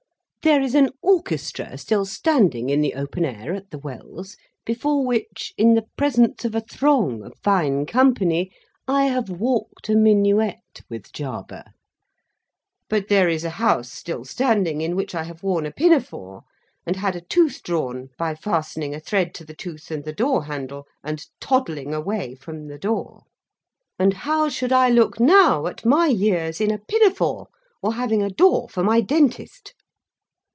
There is an orchestra still standing in the open air at the Wells, before which, in the presence of a throng of fine company, I have walked a minuet with Jarber. But, there is a house still standing, in which I have worn a pinafore, and had a tooth drawn by fastening a thread to the tooth and the door handle, and toddling away from the door. And how should I look now, at my years, in a pinafore, or having a door for my dentist?